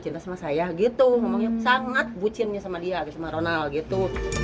dia cinta sama saya gitu sangat bucinnya sama dia sama ronald gitu